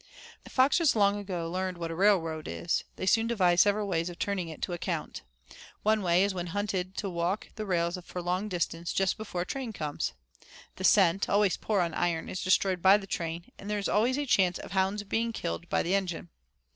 Foxes long ago learned what a railroad is; they soon devised several ways of turning it to account. One way is when hunted to walk the rails for a long distance just before a train comes. The scent, always poor on iron, is destroyed by the train and there is always a chance of hounds being killed by the engine.